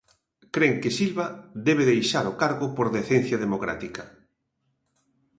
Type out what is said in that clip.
Cren que Silva debe deixar o cargo por decencia democrática.